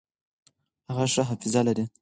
هغه ښه حافظه لري.